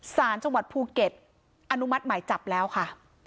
สารจังหวัดภูเก็ตอนุมัติหมายจับแล้วค่ะ